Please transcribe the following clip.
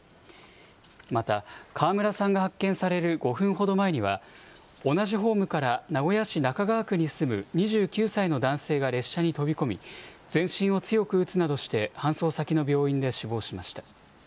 また、川村さんが発見される５分ほど前には、同じホームから名古屋市中川区に住む２９歳の男性が列車に飛び込み、全身を強く打つなどして搬送先の病院で死亡しました。